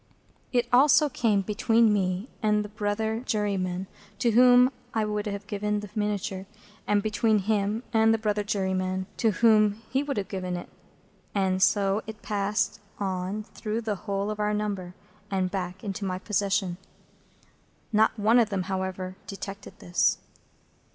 It also came between me and the brother juryman to whom I would have given the miniature, and between him and the brother juryman to whom he would have given it, and so passed it on through the whole of our number, and back into my possession. Not one of them, however, detected this.